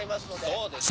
「そうですよ」